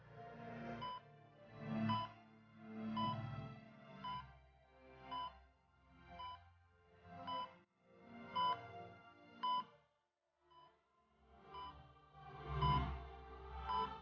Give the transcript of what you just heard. kamu sudah selesai